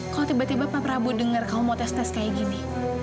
kalau tiba tiba pak prabowo dengar kamu mau tes tes kayak gini